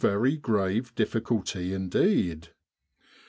in Egypt grave difficulty indeed.